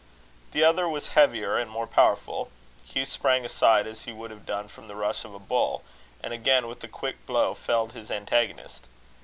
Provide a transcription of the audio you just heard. The other was heavier and more powerful. Hugh sprang aside, as he would have done from the rush of a bull, and again with a quick blow felled his antagonist.